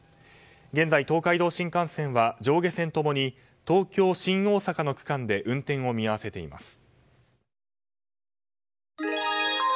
現在、東海道新幹線は上下線ともに東京新大阪の区間で運転を見合わせています。